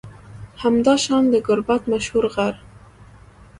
همداشان د گربت مشهور غر